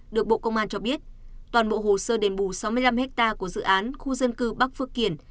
được bộ công an cho biết toàn bộ hồ sơ đền bù sáu mươi năm ha của dự án khu dân cư bắc phước kiển